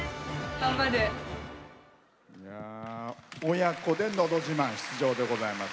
親子で「のど自慢」出場でございます。